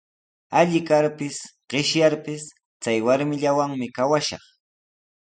Alli karpis, qishyarpis chay warmillawan kawashaq.